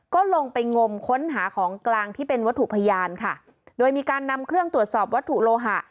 ก็ลงไปงมค้นหาของกลางที่เป็นวัตถุพยานค่ะโดยมีการนำเครื่องตรวจสอบวัตถุโลหะ